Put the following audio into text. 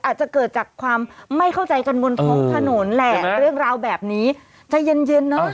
อาจจะเกิดจากความไม่เข้าใจกันบนท้องถนนแหละเรื่องราวแบบนี้ใจเย็นเย็นเนอะ